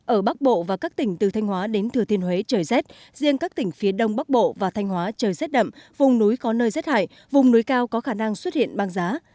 ở bắc bộ và các tỉnh từ thanh hóa đến thừa thiên huế trời rét riêng các tỉnh phía đông bắc bộ và thanh hóa trời rét đậm vùng núi có nơi rét hại vùng núi cao có khả năng xuất hiện băng giá